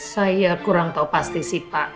saya kurang tahu pasti sih pak